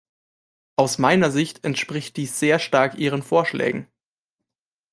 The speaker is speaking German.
Aus meiner Sicht entspricht dies sehr stark Ihren Vorschlägen.